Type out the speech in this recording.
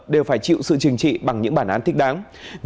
đều phải chịu sự trừng trị bằng những bản án thích đáng